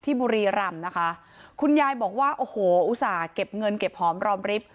บุรีรำนะคะคุณยายบอกว่าโอ้โหอุตส่าห์เก็บเงินเก็บหอมรอมริบ